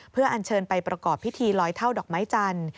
เพื่ออัญเชิญไปประกอบพิธีลอยเท่าดอกไม้จันทร์